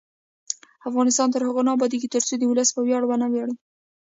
افغانستان تر هغو نه ابادیږي، ترڅو د ولس په ویاړ ونه ویاړو.